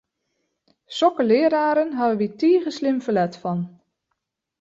Sokke leararen hawwe wy tige slim ferlet fan!